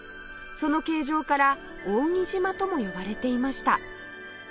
その形状から扇島とも呼ばれていました